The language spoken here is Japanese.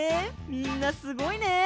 みんなすごいね！